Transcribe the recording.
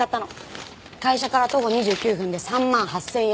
会社から徒歩２９分で３万８０００円。